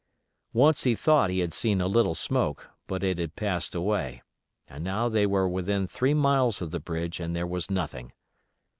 Once he thought he had seen a little smoke, but it had passed away, and now they were within three miles of the bridge and there was nothing.